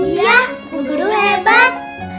iya bu gurunya hebat